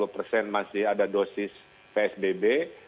dua puluh persen masih ada dosis psbb